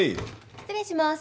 失礼します